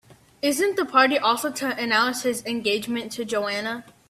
Isn't the party also to announce his engagement to Joanna?